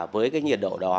với cái nhiệt độ đó